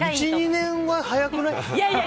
１２年は早くない？